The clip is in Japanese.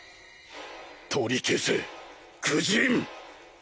取り消せ愚人。